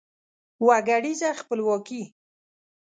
وګړیزه خپلواکي